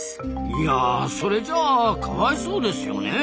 いやあそれじゃあかわいそうですよねえ。